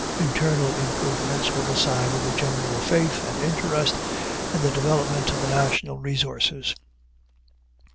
Internal improvements were a sign of the general faith and interest in the development of the national resources.